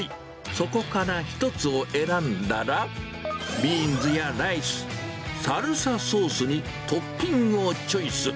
そこから１つを選んだら、ビーンズやライス、サルサソースにトッピングをチョイス。